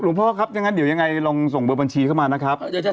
หลวงพ่อครับอย่างนั้นอย่างไรรองส่งเบอร์พันชีเข้ามานะครับ